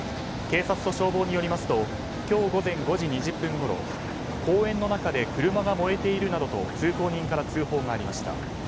警察と消防によりますと今日午前５時２０分ごろ公園の中で車が燃えているなどと通行人から通報がありました。